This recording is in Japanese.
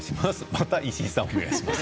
石井さん、お願いします。